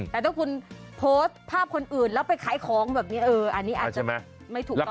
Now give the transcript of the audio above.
แต่ถ้าคุณโพสต์ภาพคนอื่นแล้วไปขายของแบบนี้อันนี้อาจจะไม่ถูกต้อง